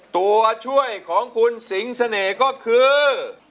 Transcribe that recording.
ตัวช่วยของคุณสิงเสน่ห์ก็คือ